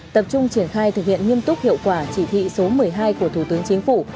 tập trung triển khai thực hiện nghiêm túc hiệu quả chỉ thị số một mươi hai của thủ tướng chính phủ